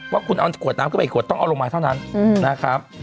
ว่าคุณเอาขวดน้ำขึ้นไปอีกขวดต้องเอาลงมาเท่านั้นนะครับ